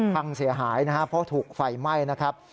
พังเสียหายนะครับเพราะถูกไฟไหม้นะครับ